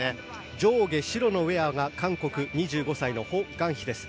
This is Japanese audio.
上下白のウェアが韓国２５歳のホ・グァンヒです。